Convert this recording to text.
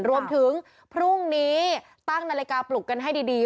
รวมถึงพรุ่งนี้ตั้งนาฬิกาปลุกกันให้ดี